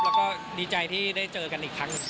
แล้วก็ดีใจที่ได้เจอกันอีกครั้ง